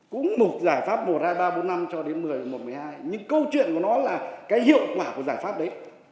cũng một giải pháp một hai ba bốn năm cho đến một mươi một mươi một một mươi hai nhưng câu chuyện của nó là cái hiệu quả của giải pháp đấy